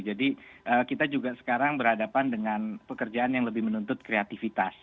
jadi kita juga sekarang berhadapan dengan pekerjaan yang lebih menuntut kreativitas